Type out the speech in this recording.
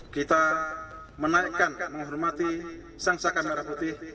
kita menaikkan menghormati sang saka merah putih